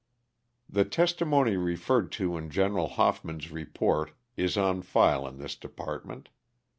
'' The testimony referred to in General Hoffman's report is on file in this department.